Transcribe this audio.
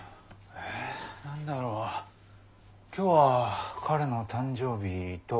え何だろ今日は彼の誕生日と。